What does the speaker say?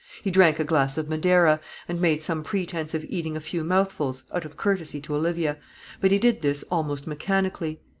He drank a glass of Madeira, and made some pretence of eating a few mouthfuls, out of courtesy to Olivia; but he did this almost mechanically.